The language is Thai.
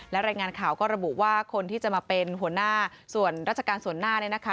และรายงานข่าวก็ระบุว่าคนที่จะมาเป็นหัวหน้าส่วนราชการส่วนหน้าเนี่ยนะคะ